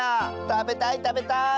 たべたいたべたい！